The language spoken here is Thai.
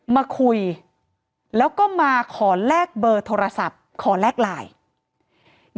มาคุยแล้วก็มาขอแลกเบอร์โทรศัพท์ขอแลกไลน์